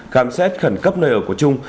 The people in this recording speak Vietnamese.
khám xét khẩn cấp nơi ở của trung